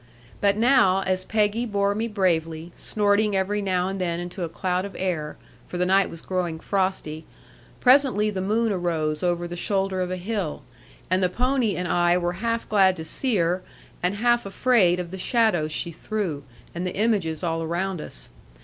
But now, as Peggy bore me bravely, snorting every now and then into a cloud of air, for the night was growing frosty, presently the moon arose over the shoulder of a hill, and the pony and I were half glad to see her, and half afraid of the shadows she threw, and the images all around us.